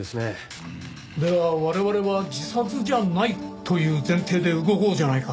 では我々は自殺じゃないという前提で動こうじゃないか。